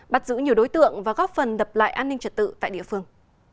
bắt giữ nhiều đối tượng và góp phần đập lại an ninh trật tự tại địa phương